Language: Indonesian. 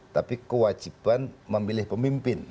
tapi kewajiban memilih pemimpin